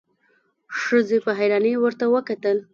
ښځې په حيرانی ورته وکتل.